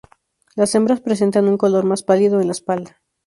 Las hembras presentan un color más pálido en la espalda.